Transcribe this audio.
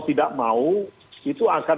tidak mau itu akan